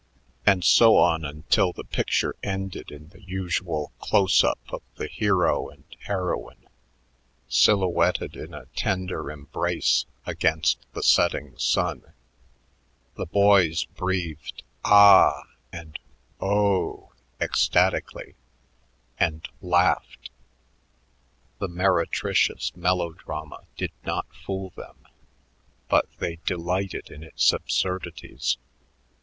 And so on until the picture ended in the usual close up of the hero and heroine silhouetted in a tender embrace against the setting sun. The boys breathed "Ahhhh" and "Ooooh" ecstatically and laughed. The meretricious melodrama did not fool them, but they delighted in its absurdities.